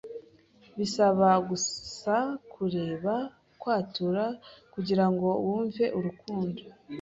Bisaba gusa kureba, kwatura, kugirango wumve urukundo.